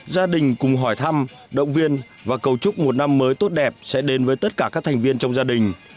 gia đình cùng hỏi thăm động viên và cầu chúc một năm mới tốt đẹp sẽ đến với tất cả các thành viên trong gia đình